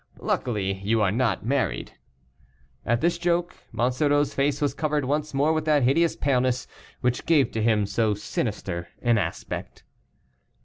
Luckily you are not married." At this joke, Monsoreau's face was covered once more with that hideous paleness which gave to him so sinister an aspect.